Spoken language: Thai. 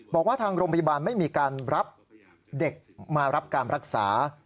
บอกว่าทางโรงพยาบาลไม่มีการรับเด็กมารับการรักษา